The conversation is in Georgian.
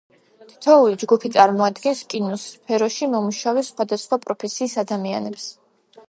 თითოეული ჯგუფი წარმოადგენს კინოს სფეროში მომუშავე სხვადასხვა პროფესიის ადამიანებს.